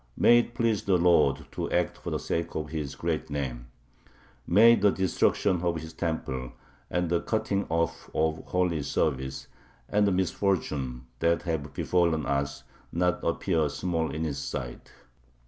May it please the Lord to act for the sake of His great Name. May the destruction of His temple, and the cutting off of the holy service, and the misfortunes that have befallen us, not appear small in His sight.